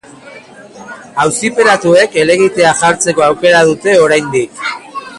Auzipetuek helegitea jartzeko aukera dute oraindik.